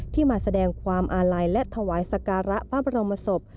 ที่มาแสดงความอาล่ายและถวายศกรรมพระบรรยามมสภ